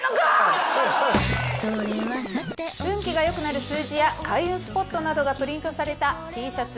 運気が良くなる数字や開運スポットなどがプリントされたＴシャツ